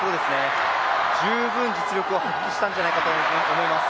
十分実力を発揮したんじゃないかと思います。